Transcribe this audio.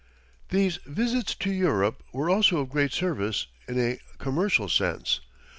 These visits to Europe were also of great service in a commercial sense.